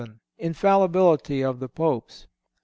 INFALLIBILITY OF THE POPES.